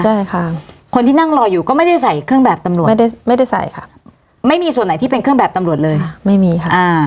ใช่ค่ะคนที่นั่งรออยู่ก็ไม่ได้ใส่เครื่องแบบตำรวจไม่ได้ไม่ได้ใส่ค่ะไม่มีส่วนไหนที่เป็นเครื่องแบบตำรวจเลยค่ะไม่มีค่ะอ่า